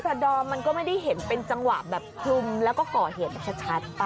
ดอมมันก็ไม่ได้เห็นเป็นจังหวะแบบคลุมแล้วก็ก่อเหตุแบบชัดไป